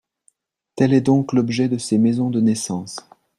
Tel est donc l’objet de ces maisons de naissance.